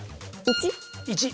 １。